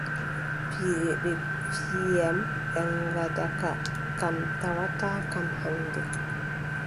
Piiɗe ɗe fiyi am, yaŋgada ka kam tawataakam hannde.